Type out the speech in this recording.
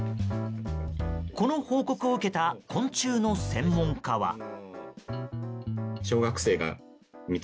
この報告を受けた昆虫の専門家は。